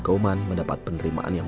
kauman mendapat penerimaan yang